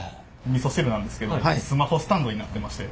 みそ汁なんですけどスマホスタンドになってまして。